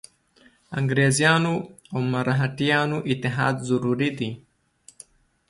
انګرېزانو او مرهټیانو اتحاد ضروري دی.